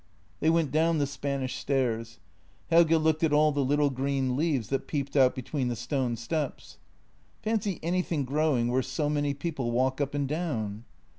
" They went down the Spanish stairs. Helge looked at all the little green leaves that peeped out between the stone steps. " Fancy anything growing where so many people walk up and down."